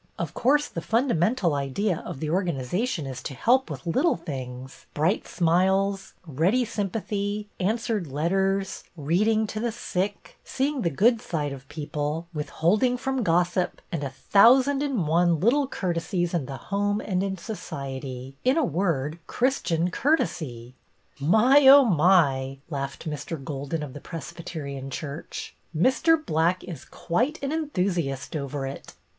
Of course the fundamen tal idea of the organization is to help with little things, bright smiles, ready sympathy, answered letters, reading to the sick, seeing the good side of people, withholding from gossip, and a thousand and one little courte the order of the cup 213 sies in the home and in society, — in a word, Christian courtesy." " My, oh, my!" laughed Mr. Golden of the Presbyterian church. " Mr. Black is quite an enthusiast over it."